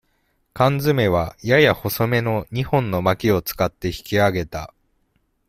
かん詰めは、やや細めの二本のまきを使って引きあげた。